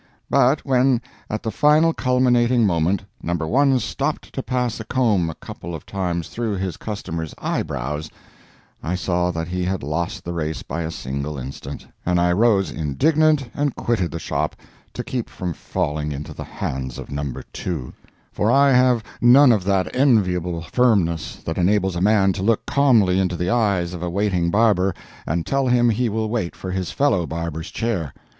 But when, at the final culminating moment, No. 1 stopped to pass a comb a couple of times through his customer's eye brows, I saw that he had lost the race by a single instant, and I rose indignant and quitted the shop, to keep from falling into the hands of No. 2; for I have none of that enviable firmness that enables a man to look calmly into the eyes of a waiting barber and tell him he will wait for his fellow barber's chair.